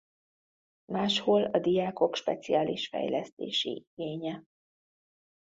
Máshol a diákok speciális fejlesztési igénye.